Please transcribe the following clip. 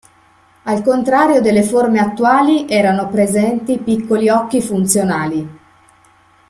Al contrario delle forme attuali, erano presenti piccoli occhi funzionali.